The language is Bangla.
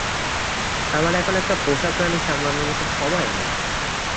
আমার এখন একটা পোষাপ্রাণী সামলানোর মতো সময় নেই!